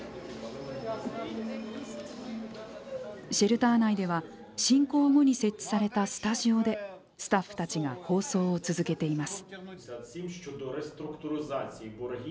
シェルター内では侵攻後に設置されたスタジオでスタッフたちが放送を続けています。